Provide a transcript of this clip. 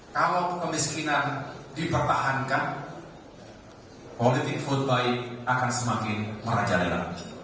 kalau kemiskinan dipertahankan politik vote buy akan semakin merajalela